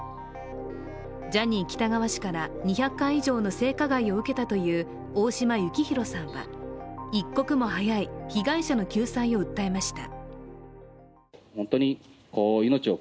ジャニー喜多川氏から２００回以上の性加害を受けたという大島幸広さんは、一刻も早い被害者の救済を訴えました。